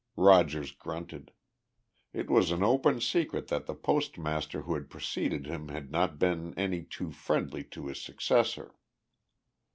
Rogers grunted. It was an open secret that the postmaster who had preceded him had not been any too friendly to his successor.